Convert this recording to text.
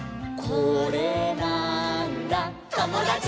「これなーんだ『ともだち！』」